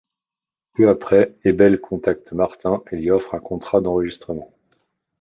Peu après, Ebel contacte Martin et lui offre un contrat d'enregistrement.